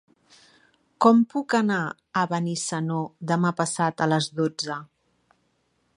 Com puc anar a Benissanó demà passat a les dotze?